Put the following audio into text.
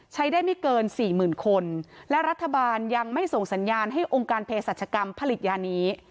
ใช้ได้ไม่เกินสี่หมื่นคนและรัฐบาลยังไม่ส่งสัญญาณให้องค์การเพศรัชกรรมผลิตยานี้